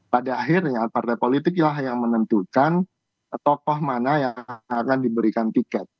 pada akhirnya partai politiklah yang menentukan tokoh mana yang akan diberikan tiket